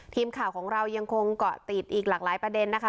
ทีมข่าวของเรายังคงเกาะติดอีกหลากหลายประเด็นนะคะ